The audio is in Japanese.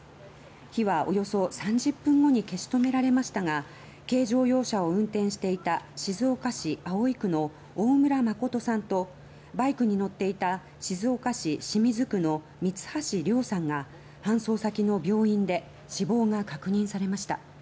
火はおよそ３０分後に消し止められましたが軽乗用車を運転していた静岡市葵区の大村誠さんとバイクに乗っていた静岡市清水区の三橋凌さんが搬送先の病院で死亡が確認されました。